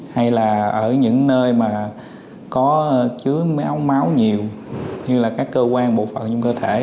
hay là ở những nơi mà có chứa méo máu nhiều như là các cơ quan bộ phận trong cơ thể